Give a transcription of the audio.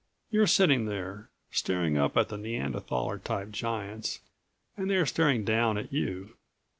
You're sitting there, staring up at the Neanderthaler type giants and they're staring down at you.